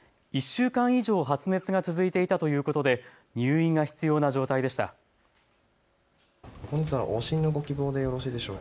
１週間以上、発熱が続いていたということで入院が必要な状態でした。